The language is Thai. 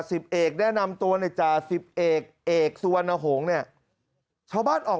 สิบเอกแนะนำตัวในจ่าสิบเอกเอกสุวรรณหงษ์เนี่ยชาวบ้านออก